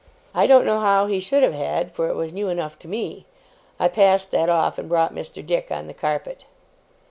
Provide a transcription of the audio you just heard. I don't know how he should have had, for it was new enough to me. I passed that off, and brought Mr. Dick on the carpet.